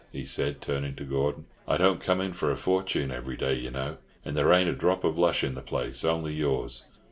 he said, turning to Gordon. "I don't come in for a fortune every day, you know, and there ain't a drop of lush in the place, only yours."